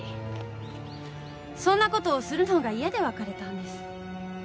そんな事をするのが嫌で別れたんです。